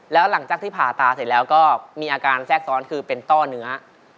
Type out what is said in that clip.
แล้วหลังจากที่ผ่าตาเสร็จแล้วก็มีอาการแทรกซ้อนคือเป็นต้อเนื้อ